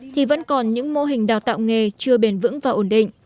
thì vẫn còn những mô hình đào tạo nghề chưa bền vững và ổn định